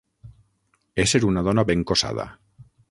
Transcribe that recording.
Ésser una dona ben cossada.